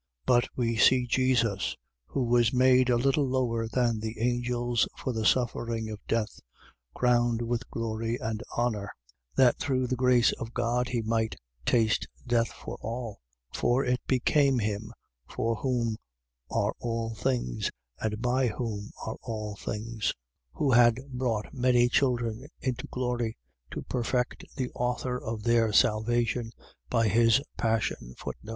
But we see Jesus, who was made a little lower than the angels, for the suffering of death, crowned with glory and honour: that, through the grace of God he might taste death for all. 2:10. For it became him for whom are all things and by whom are all things, who had brought many children into glory, to perfect the author of their salvation, by his passion.